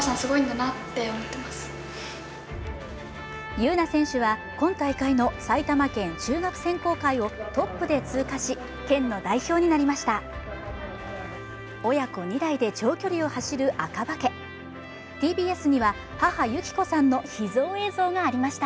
優苗選手は今大会の埼玉県中学選考会をトップで通過し、県の代表になりました。